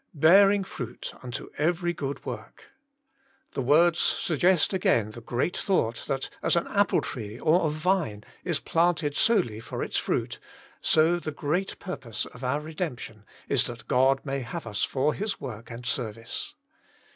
'Bearing fruit unto every good work/ The words suggest again the great thought, 68 Working for God that as an apple tree or a vine is planted solely for its fruit, so the great purpose of our redemption is that God may have us for His work and service.